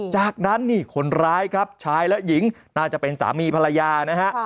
จากนั้นนี่คนร้ายครับชายและหญิงน่าจะเป็นสามีภรรยานะฮะ